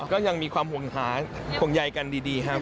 ก็ยังมีความห่วงใยกันดีครับ